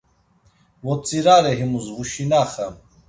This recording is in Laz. Votzirare himus, vuşinaxam.